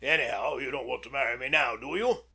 Anyhow, you don't want to marry me now, do you? ELLIE.